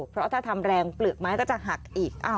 เพราะถ้าทำแรงเปลือกไม้ก็จะหักอีก